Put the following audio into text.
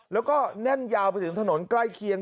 แล้วก็แน่นยาวไปถึงถนนใกล้เคียง